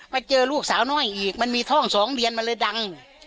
มาเจอลูกสาวน้อยอีกมันมีท่อง๒เดือนมันเลยดัง